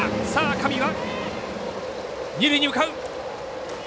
上は二塁に向かう。